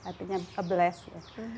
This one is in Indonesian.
artinya a bless ya